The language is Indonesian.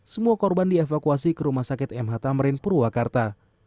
semua korban dievakuasi ke rumah sakit mh tamrin purwakarta